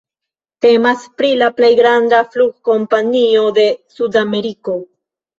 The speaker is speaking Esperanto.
Temas pri la plej granda flugkompanio de Sudameriko.